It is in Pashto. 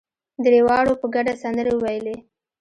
درېواړو په ګډه سندرې وويلې.